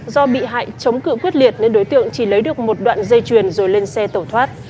do bị hại chống cự quyết liệt nên đối tượng chỉ lấy được một đoạn dây chuyền rồi lên xe tẩu thoát